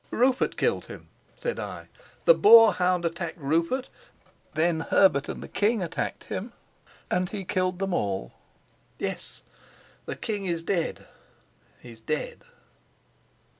"Rupert killed him," said I. "The boar hound attacked Rupert; then Herbert and the king attacked him; and he killed them all. Yes, the king is dead. He's dead."